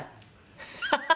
ハハハハ！